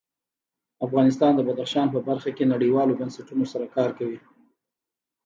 افغانستان د بدخشان په برخه کې نړیوالو بنسټونو سره کار کوي.